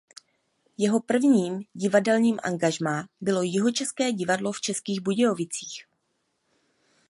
Jeho prvním divadelním angažmá bylo Jihočeské divadlo v Českých Budějovicích.